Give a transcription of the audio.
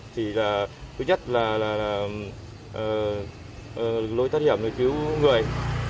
thì thứ nhất là lối thoát hiểm để cứu người